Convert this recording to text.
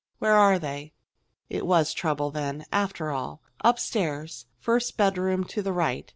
Where are they?" It was trouble then, after all! "Upstairs first bedroom to the right."